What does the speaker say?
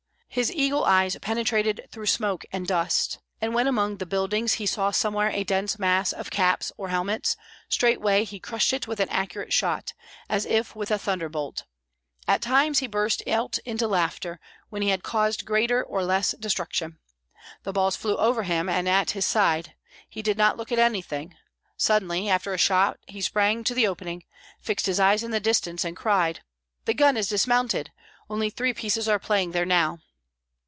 His eagle eyes penetrated through smoke and dust, and when among the buildings he saw somewhere a dense mass of caps or helmets, straightway he crushed it with an accurate shot, as if with a thunderbolt. At times he burst out into laughter when he had caused greater or less destruction. The balls flew over him and at his side, he did not look at anything; suddenly, after a shot he sprang to the opening, fixed his eyes in the distance, and cried, "The gun is dismounted! Only three pieces are playing there now!"